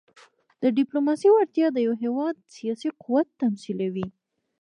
د ډيپلوماسۍ وړتیا د یو هېواد سیاسي قوت تمثیلوي.